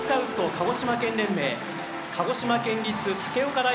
鹿児島県連盟鹿児島県立武岡台